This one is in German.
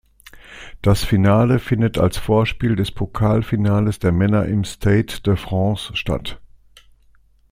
Das Finale findet als Vorspiel des Pokalfinales der Männer im Stade de France statt.